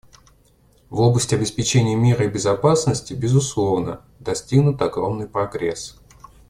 В области обеспечения мира и безопасности, безусловно, достигнут огромный прогресс.